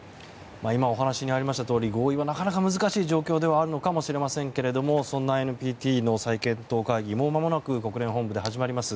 今お話にありましたとおり合意は状況ではあるのかもしれませんけどそんなＮＰＴの再検討会議もうまもなく始まります。